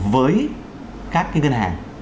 với các cái ngân hàng